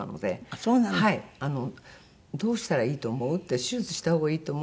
「どうしたらいいと思う？」って「手術した方がいいと思う？」